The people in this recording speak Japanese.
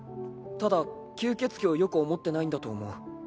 ただ吸血鬼をよく思ってないんだと思う。